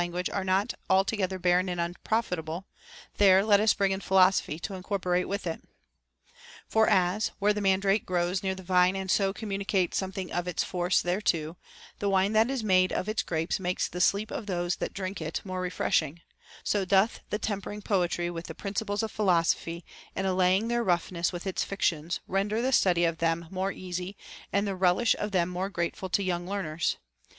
45 guage are not altogether barren and unprofitable, — there let us bring in philosophy to incorporate with it. For as, where the mandrake grows near the vine and so communicates something of its force thereto, the wine that is made of its grapes makes the sleep of those that drink it more refreshing ; so doth the tempering poetry with the principles of philosophy and allaying their roughness with its fictions render the study of them more easy and the relish of them more grateful to young learners.